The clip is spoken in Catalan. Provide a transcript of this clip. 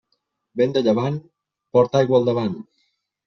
Vent de llevant, porta aigua al davant.